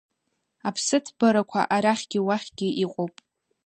Аԥсыҭбарақәа арахьгьы уахьгьы иҟоуп.